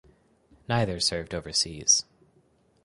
Neither served overseas.